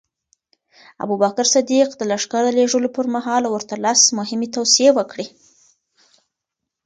ابوبکر صدیق د لښکر د لېږلو پر مهال ورته لس مهمې توصیې وکړې.